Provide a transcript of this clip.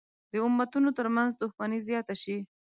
د امتونو تر منځ دښمني زیاته شي.